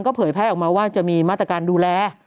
เผยแพร่ออกมาว่าจะมีมาตรการดูแล